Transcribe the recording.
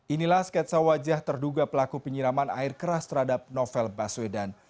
inilah sketsa wajah terduga pelaku penyiraman air keras terhadap novel baswedan